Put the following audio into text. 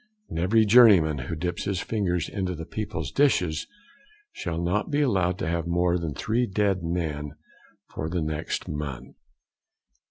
And every journeyman who dips his fingers into the people's dishes, shall not be allowed to have more than three dead men for the next month.